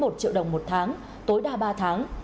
một triệu đồng một tháng tối đa ba tháng